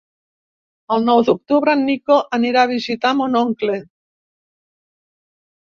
El nou d'octubre en Nico anirà a visitar mon oncle.